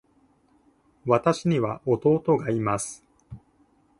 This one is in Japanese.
私には弟がいます。